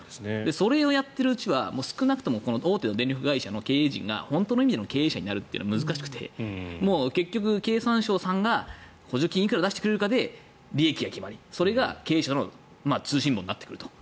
それをやっているうちは少なくとも大手の電力会社の経営陣が本当の意味での経営者になるのは難しくて結局、経産省さんが補助金をいくら出してくれるかで利益が決まり、それが経営者の通信簿になってくると。